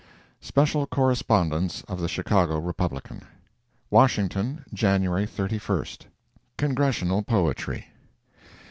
Special Correspondence of the Chicago Republican. WASHINGTON, Jan. 31. CONGRESSIONAL POETRY.